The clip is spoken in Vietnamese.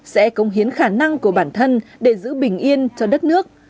sẽ công hiến khả năng của bản thân để giữ bình yên cho đất nước